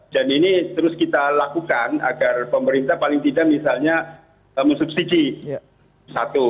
dan ini terus kita lakukan agar pemerintah paling tidak misalnya mensubsidi satu